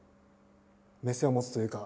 目線を持つというか。